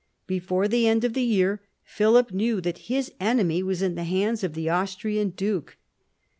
Before the end of the year Philip knew that his enemy was in the hands of the Austrian duke.